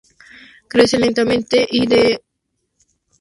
Crece lentamente y es de ramas gruesas.